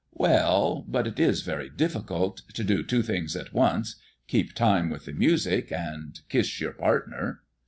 "Well, but it is very difficult to do two things at once, keep time with the music and kiss your partner."